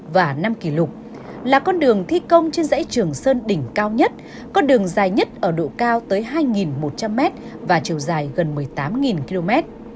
và năm kỷ lục là con đường thi công trên dãy trường sơn đỉnh cao nhất con đường dài nhất ở độ cao tới hai một trăm linh m và chiều dài gần một mươi tám km